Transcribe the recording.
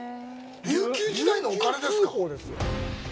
琉球時代のお金ですか？